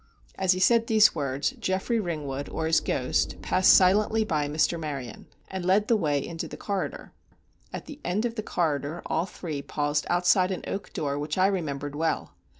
As he said these words, Geoffrey Ringwood, or his ghost, passed silently by Mr. Maryon, and led the way into the corridor. At the end of the corridor all three paused outside an oak door which I remembered well.